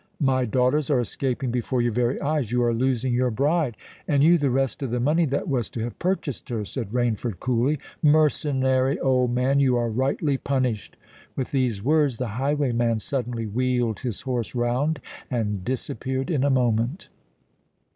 "My daughters are escaping before your very eyes—you are losing your bride——" "And you the rest of the money that was to have purchased her," said Rainford coolly. "Mercenary old man, you are rightly punished." With these words, the highwayman suddenly wheeled his horse round, and disappeared in a moment.